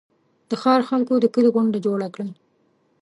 د ښار خلکو د کلي غونډه جوړه کړه.